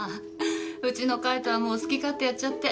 うちの海斗はもう好き勝手やっちゃって。